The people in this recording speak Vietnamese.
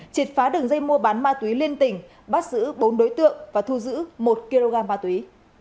triệt phá đường dây mua bán ma túy liên tỉnh bắt giữ bốn đối tượng và thu giữ một kg ma túy